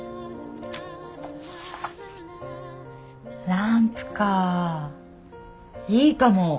ランプかいいかも。